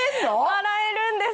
洗えるんです。